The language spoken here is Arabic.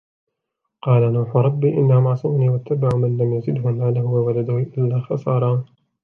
قال نوح رب إنهم عصوني واتبعوا من لم يزده ماله وولده إلا خسارا